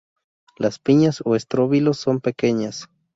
Las piñas o estróbilos son pequeñas.